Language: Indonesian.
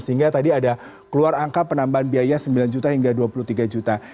sehingga tadi ada keluar angka penambahan biaya sembilan juta hingga dua puluh tiga juta